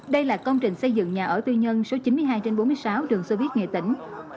đây là công trình xây dựng nhà ở tư nhân số chín mươi hai trên bốn mươi sáu đường xe buýt nghệ tỉnh